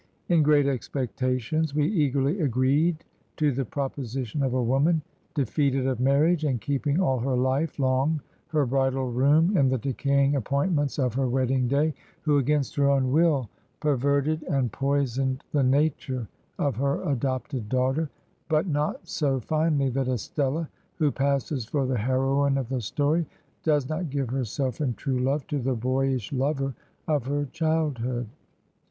In " Great Expectations," we eagerly agreed to the proposition of a woman, defeated of marriage, and keeping all her life long her bridal room in the decaying appointments of her wedding day, who, against her own will, perverted 153 Digitized by VjOOQIC HEROINES OF FICTION and poisoned the nature oiF her adopted daughter, but not so finally that Estella (who passes for the heroine of the story) does not give herself in true love to the boy ish lover of her childhood.